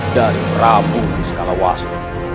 dari prabu nisqalawastu